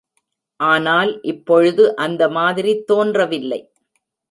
ஆனால் இப்பொழுது அந்த மாதிரி தோன்றவில்லை.